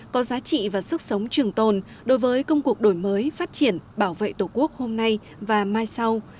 có giá trị và sức sống trường tồn đối với công cuộc đổi mới phát triển bảo vệ tổ quốc hôm nay và mai sau